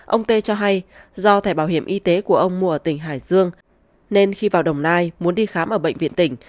ông tê cho hay do thẻ bảo hiểm y tế của ông mùa ở tỉnh hải dương nên khi vào đồng nai muốn đi khám ở bệnh viện tỉnh